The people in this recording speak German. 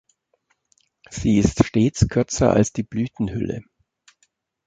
Sie ist stets kürzer als die Blütenhülle.